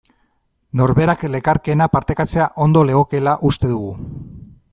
Norberak lekarkeena partekatzea ondo legokeela uste dugu.